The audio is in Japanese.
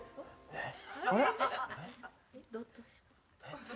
えっ？